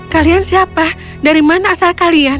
kalian siapa dari mana asal kalian